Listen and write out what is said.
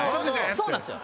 そうなんですよ。